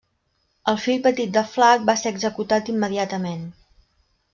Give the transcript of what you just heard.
El fill petit de Flac va ser executat immediatament.